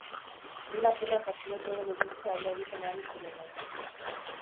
Bi lapurrak atxilotu egin dituzte alde egiten ari zirenean.